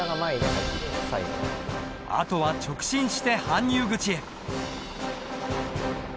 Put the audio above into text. あとは直進して搬入口へ。